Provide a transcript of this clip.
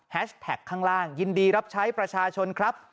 แท็กข้างล่างยินดีรับใช้ประชาชนครับ